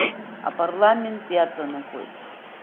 Апарламент иаҵанакуеит.